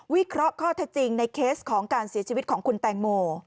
เคราะห์ข้อเท็จจริงในเคสของการเสียชีวิตของคุณแตงโม